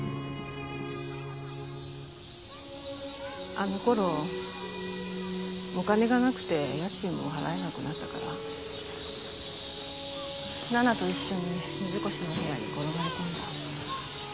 あの頃お金がなくて家賃も払えなくなったから奈々と一緒に水越の部屋に転がり込んだ。